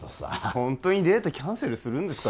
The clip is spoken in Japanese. ホントにデートキャンセルするんですかね